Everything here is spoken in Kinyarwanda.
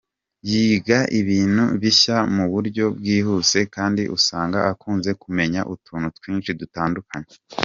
Yiga ibintu bishya mu buryo bwihuse kandi usanga akunze kumenya utuntu twinshi dutandukanye.